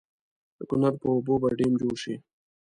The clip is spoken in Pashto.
د کنړ پر اوبو به ډېم جوړ شي.